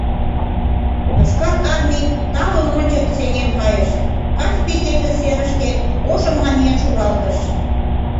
Йошкар Армий талын ончык сеҥен кайыш, Каспий теҥыз серышке ошым намиен шуралтыш.